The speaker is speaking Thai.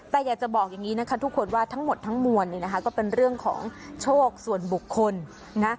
แต่อยากจะบอกอย่างนี้นะคะทุกคนว่าทั้งหมดทั้งมวลเนี่ยนะคะก็เป็นเรื่องของโชคส่วนบุคคลนะ